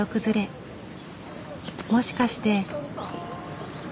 もしかして。